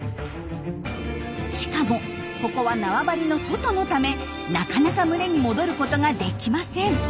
しかもここは縄張りの外のためなかなか群れに戻ることができません。